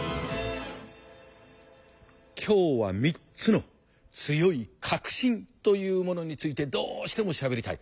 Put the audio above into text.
今日は３つの強い「確信」というものについてどうしてもしゃべりたい！